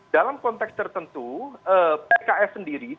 dalam konteks tertentu pks sendiri juga tampaknya tidak ada